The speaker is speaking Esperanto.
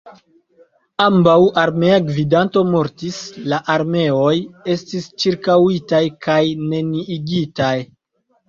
Ambaŭ armea gvidanto mortis, la armeoj estis ĉirkaŭitaj kaj neniigitaj.